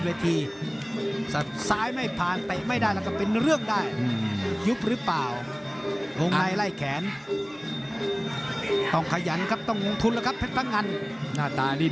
เดี๋ยวดูว่ามันจะเป็นไปตามนั้นหรือเปล่านะครับ